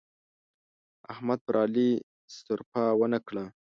احمد پر علي سرپه و نه کړه.